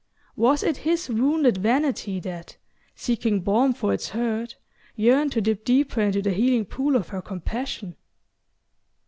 Was it his wounded vanity that, seeking balm for its hurt, yearned to dip deeper into the healing pool of her compassion?